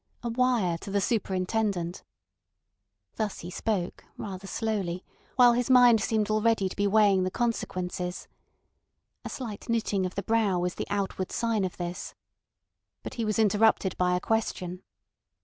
A wire to the superintendent— Thus he spoke, rather slowly, while his mind seemed already to be weighing the consequences. A slight knitting of the brow was the outward sign of this. But he was interrupted by a question.